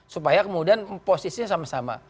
supaya kemudian posisinya sama sama